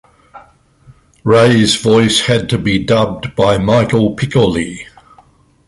Rey's voice had to be dubbed by Michel Piccoli.